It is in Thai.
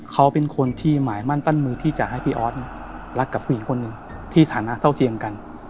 เขาเป็นคนที่หมายมั่นปั้นมือที่จะให้พี่ออสรักกับผู้หญิงคนหนึ่งที่ฐานะเท่าเทียมกัน